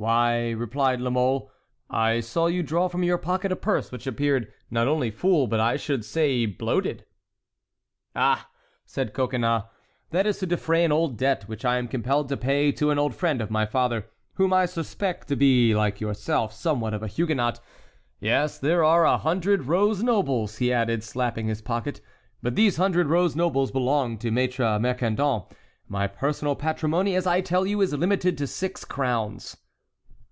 "Why," replied La Mole, "I saw you draw from your pocket a purse which appeared not only full, but I should say bloated." "Ah," said Coconnas, "that is to defray an old debt which I am compelled to pay to an old friend of my father, whom I suspect to be, like yourself, somewhat of a Huguenot. Yes, there are here a hundred rose nobles," he added, slapping his pocket, "but these hundred rose nobles belong to Maître Mercandon. My personal patrimony, as I tell you, is limited to six crowns."